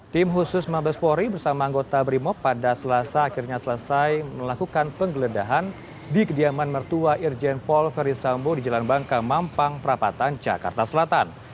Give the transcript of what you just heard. tim khusus mabespori bersama anggota brimob pada selasa akhirnya selesai melakukan penggeledahan di kediaman mertua irjen paul verisambo di jalan bangka mampang perapatan jakarta selatan